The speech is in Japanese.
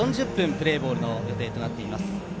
プレーボールの予定となっています。